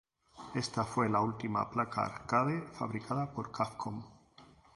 Esta fue la última placa arcade fabricada por Capcom.